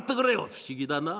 「不思議だなあ。